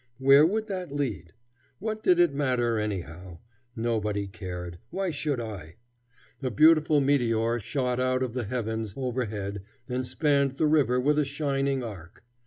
Where would that lead? What did it matter, anyhow? Nobody cared. Why should I? A beautiful meteor shot out of the heavens overhead and spanned the river with a shining arc.